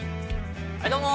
はいどうも。